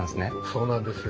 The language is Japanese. そうなんです。